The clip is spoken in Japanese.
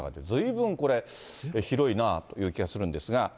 ずいぶんこれ、広いなぁという気がするんですが。